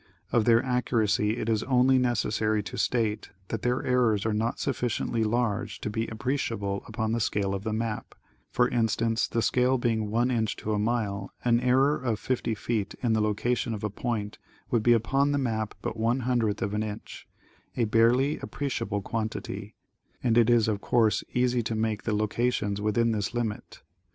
Of their accuracy it is only necessary to state that their errors are not sufficiently^ large to be appreciable upon the scale of the map, for instance the scale being one inch to a mile, an error of 50 feet in the location of a point would be upon the map but one hundredth of an inch,^a barely appreciable quantity, and it is of course easy to make the locations within this limit.